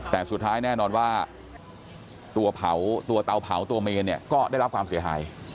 แต่สุดท้ายแน่นอนว่าตัวเผาตัวเตาเผาตัวเมนเนี่ยก็ได้รับความเสียหาย